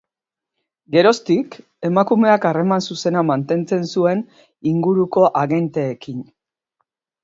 Geroztik, emakumeak harreman zuzena mantentzen zuen inguruko agenteekin.